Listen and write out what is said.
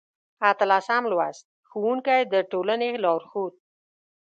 اتلسم لوست: ښوونکی د ټولنې لارښود